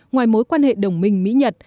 ngoài mối quan hệ đồng minh mỹ nhật